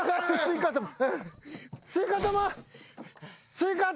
スイカ頭。